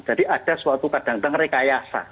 jadi ada suatu kadang kadang rekayasa